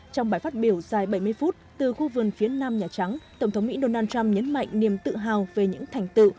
trong bài phát biểu dài bảy mươi phút từ khu vườn phía nam nhà trắng tổng thống mỹ donald trump nhấn mạnh niềm tự hào về những thành tựu